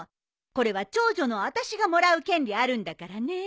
これは長女のあたしがもらう権利あるんだからね。